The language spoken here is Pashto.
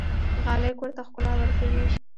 غالۍ کور ته ښکلا ورکوي.